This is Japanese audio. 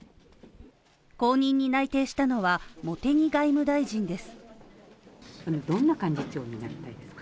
後任に内定したのは、茂木外務大臣です。